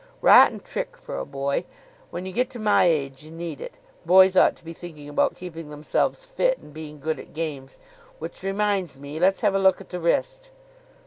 "Rotten trick for a boy. When you get to my age you need it. Boys ought to be thinking about keeping themselves fit and being good at games. Which reminds me. Let's have a look at the wrist."